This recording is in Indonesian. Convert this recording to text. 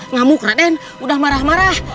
ngamuk raden udah marah marah